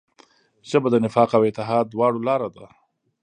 ژبه د نفاق او اتحاد دواړو لاره ده